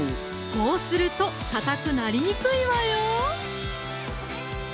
こうするとかたくなりにくいわよ